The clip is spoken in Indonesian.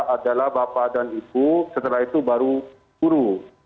adalah bapak dan ibu setelah itu baru guru